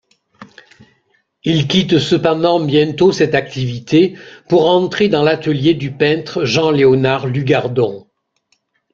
Il quitte cependant bientôt cette activité pour entrer dans l’atelier du peintre Jean-Léonard Lugardon.